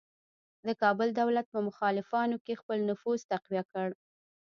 د کابل دولت په مخالفانو کې خپل نفوذ تقویه کړ.